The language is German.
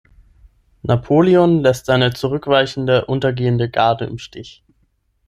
Napoleon lässt seine zurückweichende, untergehende Garde im Stich.